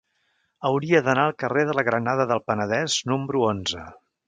Hauria d'anar al carrer de la Granada del Penedès número onze.